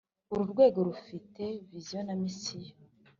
Uru rwego rufite visiyo na misiyo